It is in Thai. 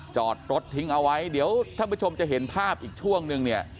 จอดรถทิ้งเอาไว้เดี๋ยวท่านผู้ชมจะเห็นภาพอีกช่วงนึงเนี่ย